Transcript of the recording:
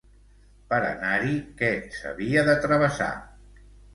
Per anar-hi, què s'havia de travessar?